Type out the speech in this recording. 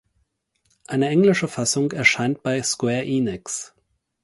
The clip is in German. Eine englische Fassung erscheint bei Square Enix.